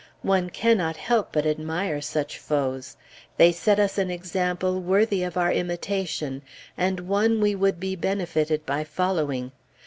One cannot help but admire such foes! They set us an example worthy of our imitation, and one we would be benefited by following.